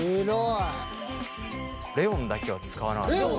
レオンだけは使わなかったよね。